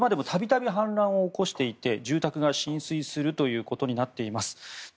これまでも度々氾濫を起こしていて住宅が浸水するということになっています。